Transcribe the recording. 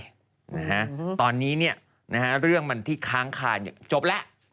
นะฮะตอนนี้เนี่ยนะฮะเรื่องมันที่ค้างคานเนี่ยจบแล้ว